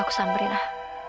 aku samperin lah